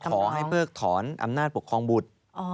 ขอให้เพิกถอนอำนาจปกครองบุตร